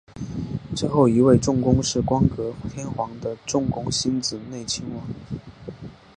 最后一位中宫是光格天皇的中宫欣子内亲王。